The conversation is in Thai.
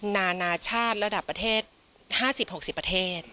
นานาชาติระดับประเทศ๕๐๖๐ประเทศ